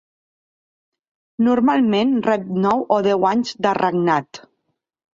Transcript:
Normalment rep nou o deu anys de regnat.